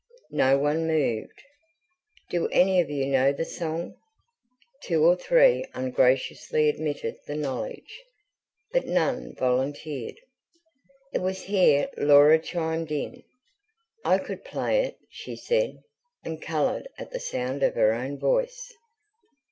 No one moved. "Do any of you know the song?" Two or three ungraciously admitted the knowledge, but none volunteered. It was here Laura chimed in. "I could play it," she said; and coloured at the sound of her own voice.